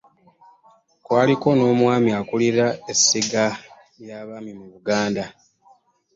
Kwaliko n'omwami akulira essiga ly'abaami mu Buganda.